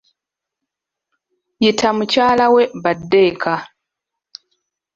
Yita mukyala we badde eka.